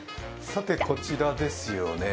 さて、こちらですよね。